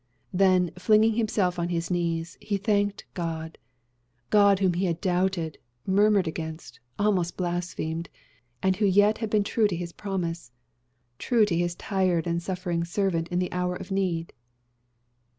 Then, flinging himself on his knees, he thanked God God whom he had doubted, murmured against, almost blasphemed, and who yet had been true to his promise true to his tried and suffering servant in the hour of need.